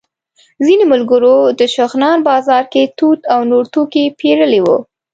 ځینو ملګرو د شغنان بازار کې توت او نور توکي پېرلي وو.